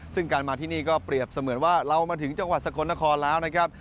ซึ่งการมาที่นี่ก็เปรียบเสมือนว่าเรามาถึงจังหวัดสกลนครแล้วนะครับ